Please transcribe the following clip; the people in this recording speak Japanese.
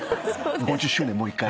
５０周年もう一回？